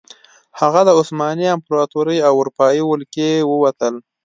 هغه د عثماني امپراتورۍ او اروپايي ولکې ووتل.